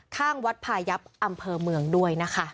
ข้างวัดพายับอำเภอเมืองด้วยนะคะ